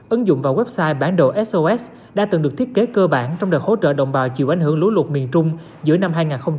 ứng dụng vào website bản đồ sos đã từng được thiết kế cơ bản trong đợt hỗ trợ đồng bào chịu ảnh hưởng lũ lụt miền trung giữa năm hai nghìn một mươi năm